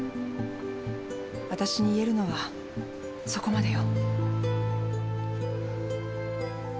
わたしに言えるのはそこまでよ。